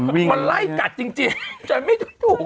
มันไล่กัดจริงฉันไม่ถูกก่อน